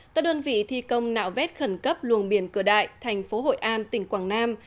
các đơn vị thi công nạo vét khẩn cấp luồng biển cửa đại thành phố hội an tỉnh quảng nam